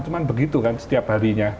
cuma begitu kan setiap harinya